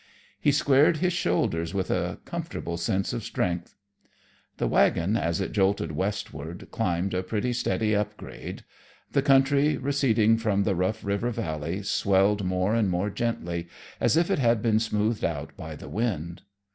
He squared his shoulders with a comfortable sense of strength. The wagon, as it jolted westward, climbed a pretty steady upgrade. The country, receding from the rough river valley, swelled more and more gently, as if it had been smoothed out by the wind.